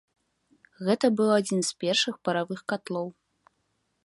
Гэта быў адзін з першых паравых катлоў.